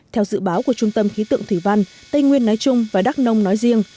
theo dự báo của trung tâm khí tượng thủy văn tây nguyên nói chung và đắk nông nói riêng